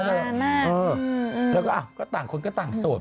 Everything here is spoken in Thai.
อือแล้วก็อ่ะก็ต่างคนก็ต่างส่วน